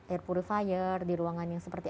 air purifier di ruangan yang seperti